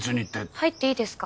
入っていいですか？